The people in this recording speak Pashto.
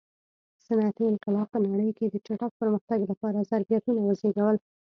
صنعتي انقلاب په نړۍ کې د چټک پرمختګ لپاره ظرفیتونه وزېږول.